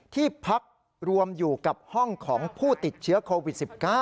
ที่พักรวมอยู่กับห้องของผู้ติดเชื้อโควิด๑๙